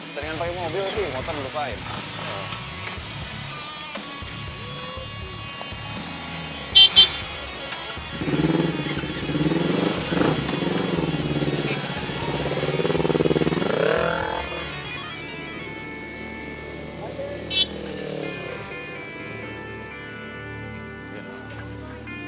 seringan pake mobil sih motor mulu pahit